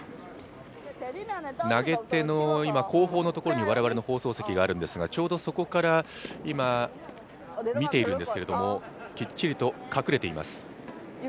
投げ手の後方のところに我々の放送席があるんですがちょうどそこから見ているんですけれども、きっちりと隠れています。